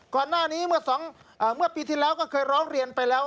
ก่อนหน้านี้เมื่อปีที่แล้วก็เคยร้องเรียนไปแล้ว